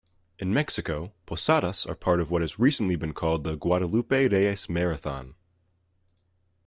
In Mexico, posadas are part of what has recently been called The Guadalupe-Reyes Marathon.